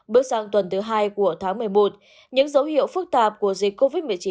bước sang tuần thứ hai của tháng một mươi một những dấu hiệu phức tạp của dịch covid một mươi chín